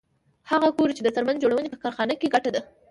هغه ګوري چې د څرمن جوړونې په کارخانه کې ګټه ده